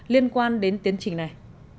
liên quan đến tiến trình này